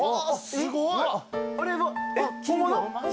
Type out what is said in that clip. すごい。